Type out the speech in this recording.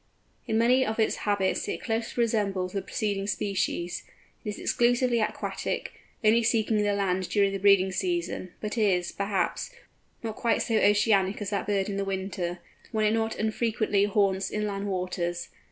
In many of its habits it closely resembles the preceding species. It is exclusively aquatic, only seeking the land during the breeding season, but is, perhaps, not quite so oceanic as that bird in the winter, when it not unfrequently haunts inland waters.